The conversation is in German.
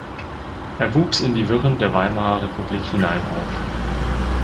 Er wuchs in die Wirren der Weimarer Republik hinein auf.